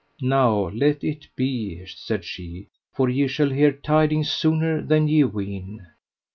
Now let it be, said she, for ye shall hear tidings sooner than ye ween.